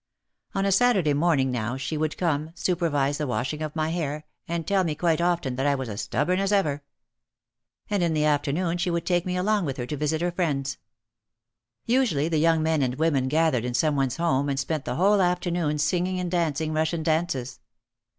On a Saturday morning now she would OUT OF THE SHADOW 135 come, supervise the washing of my hair, and tell me quite often that I was as stubborn as ever. And in the after noon she would take me along with her to visit her friends. Usually the young men and women gathered in some one's home and spent the whole afternoon sing ing and dancing Russian dances.